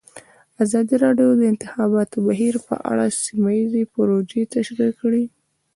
ازادي راډیو د د انتخاباتو بهیر په اړه سیمه ییزې پروژې تشریح کړې.